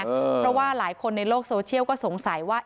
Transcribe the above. เพราะว่าหลายคนในโลกโซเชียลก็สงสัยว่า